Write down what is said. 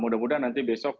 mudah mudahan nanti besoknya